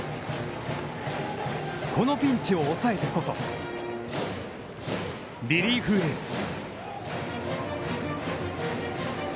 このピンチを抑えてこそリリーフエース。